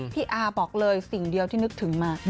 อาบอกเลยสิ่งเดียวที่นึกถึงมา